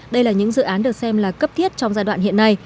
đây là những dự án được xem là cấp thiết trong giai đoạn hiện nay